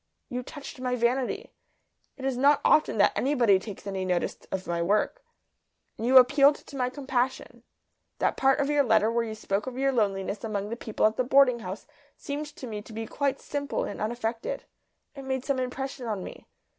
You touched my vanity, it is not often that anybody takes any notice of my work. And you appealed to my compassion. That part of your letter where you spoke of your loneliness among the people at the boarding house seemed to me to be quite simple and unaffected. It made some impression on me.